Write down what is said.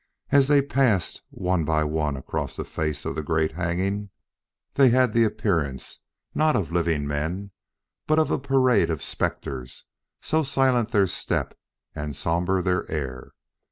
As they passed one by one across the face of the great hanging, they had the appearance not of living men but of a parade of specters, so silent their step and so somber their air.